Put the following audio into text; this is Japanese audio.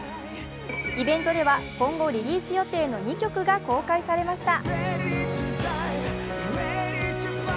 イベントでは今後リリース予定の２曲が公開されました。